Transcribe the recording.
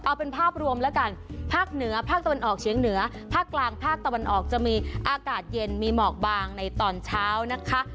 เอาเป็นภาพรวมแล้วกันภาคเหนือภาคตะวันออกเฉียงเหนือภาคกลางภาคตะวันออกจะมีอากาศเย็นมีหมอกบางในตอนเช้านะคะ